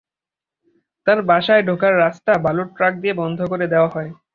তাঁর বাসায় ঢোকার রাস্তা বালুর ট্রাক দিয়ে বন্ধ করে দেওয়া হয়।